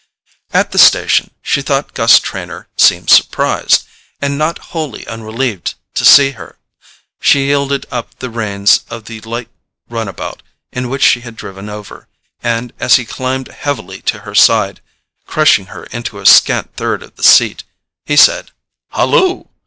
At the station she thought Gus Trenor seemed surprised, and not wholly unrelieved, to see her. She yielded up the reins of the light runabout in which she had driven over, and as he climbed heavily to her side, crushing her into a scant third of the seat, he said: "Halloo!